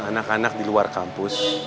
anak anak di luar kampus